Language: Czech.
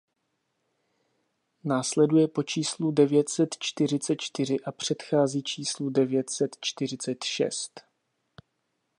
Následuje po číslu devět set čtyřicet čtyři a předchází číslu devět set čtyřicet šest.